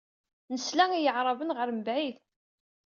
Nesla i yeɛbaṛen ɣer mebɛid.